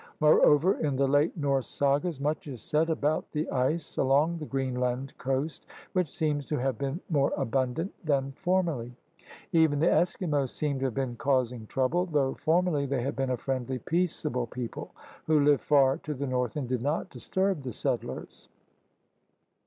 Moreover in the late Norse sagas much is said about the ice along the Greenland coast, which seems to have been more abundant than formerly. Even the Eskimos seem to have been causing trouble, though formerly they had been a friendly, peace able people who lived far to the north and did not disturb the settlers.